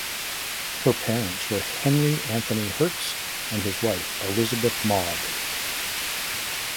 Her parents were Henry Anthony Hertz and his wife Elizabeth Maud.